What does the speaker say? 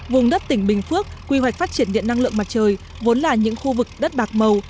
vùng đất tỉnh bình phước quy hoạch phát triển điện năng lượng mặt trời vốn là những khu vực đất bạc màu